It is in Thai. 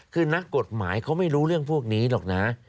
คือนักกฎหมายเขาไม่รู้เรื่องพวกนี้หรอกนะ